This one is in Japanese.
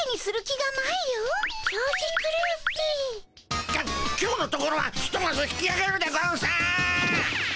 きょ今日のところはひとまず引きあげるでゴンス！